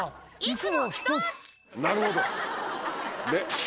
なるほど。